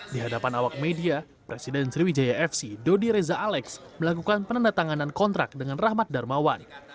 di hadapan awak media presiden sriwijaya fc dodi reza alex melakukan penandatanganan kontrak dengan rahmat darmawan